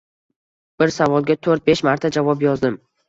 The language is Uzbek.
Bir savolga to‘rt-besh marta javob yozdim.